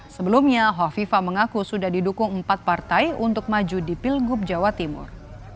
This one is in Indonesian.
sebelumnya hovifah mengaku sudah didukung empat partai untuk maju di pilgub jawa timur